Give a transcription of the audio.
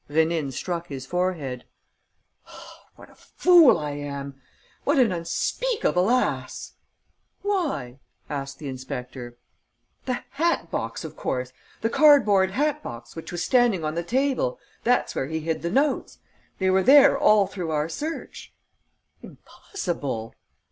Rénine struck his forehead: "What a fool I am! What an unspeakable ass!" "Why?" asked the inspector. "The hat box, of course! The cardboard hat box which was standing on the table. That's where he hid the notes. They were there all through our search." "Impossible!"